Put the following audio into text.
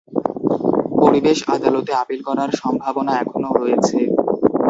পরিবেশ আদালতে আপিল করার সম্ভাবনা এখনও রয়েছে।